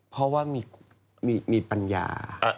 เพราะว่ามีปัญญา